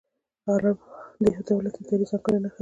آرم د یو دولت، ادارې ځانګړې نښه ده.